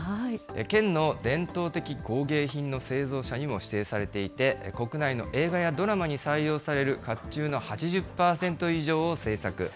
県の伝統的工芸品の製造者にも指定されていて、国内の映画やドラマに採用されるかっちゅうの８０％以上を製作。